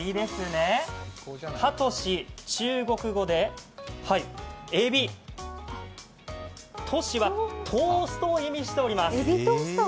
ハトシ、中国語でエビ、吐司はトーストを意味しております。